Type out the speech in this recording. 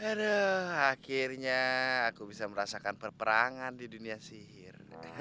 aduh akhirnya aku bisa merasakan peperangan di dunia sihir